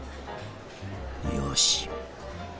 よし。